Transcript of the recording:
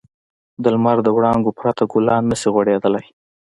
د لمر د وړانګو پرته ګلان نه شي غوړېدلی.